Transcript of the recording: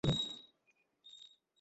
যখন হাঁটবে, সোজা নজর রেখে চলবে।